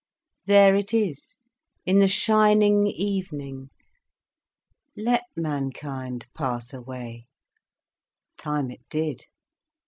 There it is, in the shining evening. Let mankind pass away—time it did.